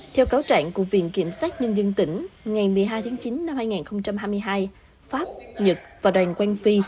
theo cáo trạng của viện kiểm sát nhân dân tỉnh ngày một mươi hai tháng chín năm hai nghìn hai mươi hai pháp nhật và đoàn quan phi